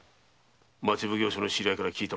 町奉行所の知り合いから聞いた。